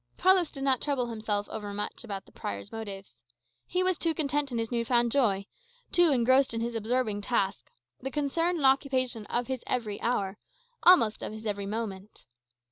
Carlos did not trouble himself overmuch about the prior's motives. He was too content in his new found joy, too engrossed in his absorbing task the concern and occupation of his every hour, almost of his every moment.